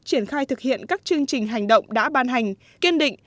triển khai thực hiện các chương trình hành động đã ban hành kiên định